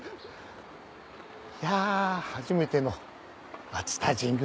いや初めての熱田神宮。